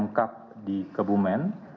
di kebupaten kebumen di kebupaten kebumen